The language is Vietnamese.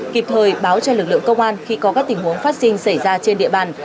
kịp thời báo cho lực lượng công an khi có các tình huống phát sinh xảy ra trên địa bàn